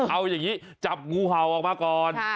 เอาอย่างนี้จับงูเห่าออกมาก่อน